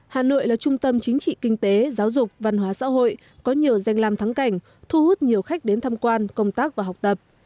hà nội là trung tâm chính trị kinh tế giáo dục văn hóa xã hội có nhiều danh làm thắng cảnh thu hút nhiều khách đến tham quan công tác và học tập